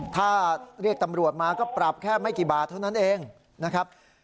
ถ้าเรียกตำรวจมาก็ปรับแค่ไม่กี่บาทเท่านั้นเองนะครับ